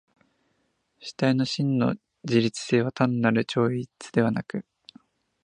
主体の真の自律性は単なる超越でなく、